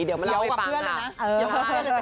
เดี๋ยวมาเล่าให้ฟังค่ะเดี๋ยวกับเพื่อนเลยนะ